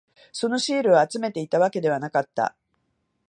そのシールを集めていたわけではなかった。